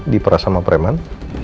di prasama preman